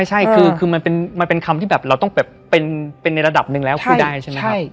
ใช่คือมันเป็นคำที่แบบเราต้องแบบเป็นในระดับหนึ่งแล้วพูดได้ใช่ไหมครับ